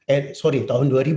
eh sorry tahun dua ribu